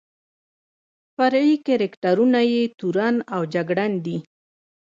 فرعي کرکټرونه یې تورن او جګړن دي.